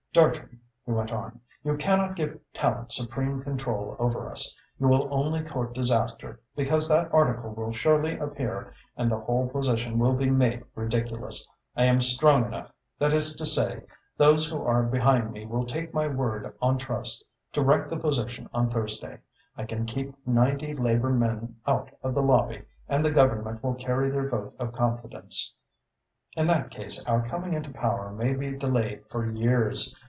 Dartrey," he went on, "you cannot give Tallente supreme control over us. You will only court disaster, because that article will surely appear and the whole position will be made ridiculous. I am strong enough that is to say, those who are behind me will take my word on trust to wreck the position on Thursday. I can keep ninety Labour men out of the Lobby and the Government will carry their vote of confidence. In that case, our coming into power may be delayed for years.